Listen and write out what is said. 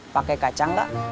pakai kacang enggak